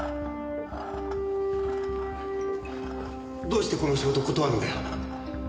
どうしてこの仕事を断るんだよ？